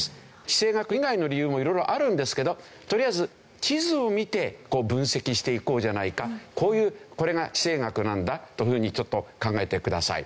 地政学以外の理由も色々あるんですけどとりあえず地図を見て分析していこうじゃないかこういうこれが地政学なんだというふうにちょっと考えてください。